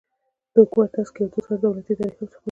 د حکومتونو نسکورېدو سره دولتي ادارې هم سقوط کیږي